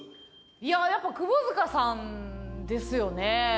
いややっぱ窪塚さんですよね。